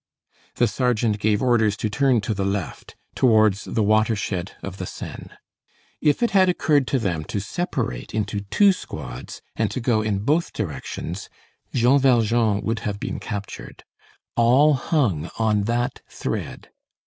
The sergeant gave orders to turn to the left, towards the watershed of the Seine. If it had occurred to them to separate into two squads, and to go in both directions, Jean Valjean would have been captured. All hung on that thread.